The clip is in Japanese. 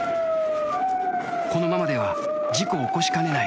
このままでは事故を起こしかねない